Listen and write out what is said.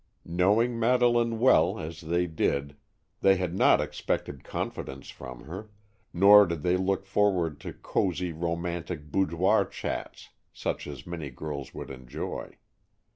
Knowing Madeleine well, as they did, they had not expected confidence from her, nor did they look forward to cosy, romantic boudoir chats, such as many girls would enjoy.